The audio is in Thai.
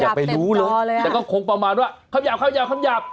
อย่าไปรู้เลยแต่ก็คงประมาณว่าคำหยาบคำหยาบ